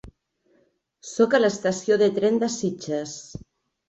Soc a la estació de tren de Sitges.